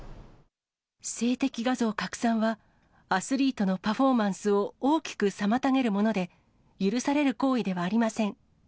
性的画像拡散は、アスリートのパフォーマンスを大きく妨げるもので、許される行為ではありません。